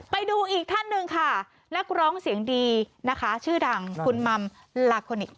ไปดูอีกท่านหนึ่งค่ะนักร้องเสียงดีนะคะชื่อดังคุณมัมลาโคนิค